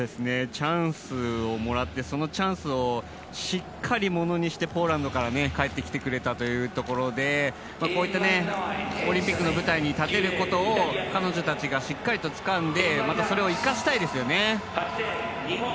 チャンスをもらって、そのチャンスをしっかりモノにしてポーランドから帰って来てくれたというところで、オリンピックの舞台に立てることを彼女たちがしっかりとつかんで、またそれを生かしたいですよね。